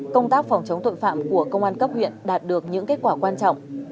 công tác phòng chống tội phạm của công an cấp huyện đạt được những kết quả quan trọng